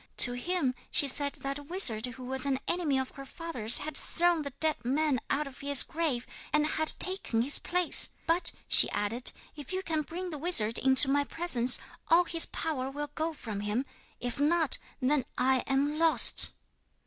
To him she said that a wizard who was an enemy of her father's had thrown the dead man out of his grave, and had taken his place. "But," she added, "if you can bring the wizard into my presence, all his power will go from him; if not, then I am lost."